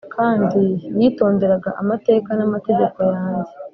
kandi yitonderaga amateka n’amategeko yanjye